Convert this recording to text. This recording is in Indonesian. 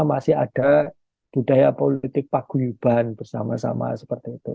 masih ada budaya politik paguyuban bersama sama seperti itu